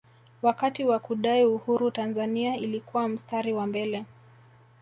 wakati wa kudai uhuru tanzania ilikuwa mstari wa mbele